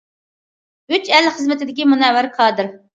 « ئۈچ ئەل» خىزمىتىدىكى مۇنەۋۋەر كادىر.